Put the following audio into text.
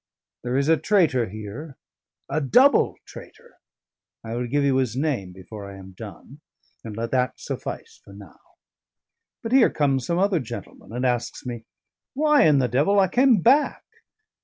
There is a traitor here: a double traitor: I will give you his name before I am done; and let that suffice for now. But here comes some other gentleman and asks me, 'Why, in the devil, I came back?'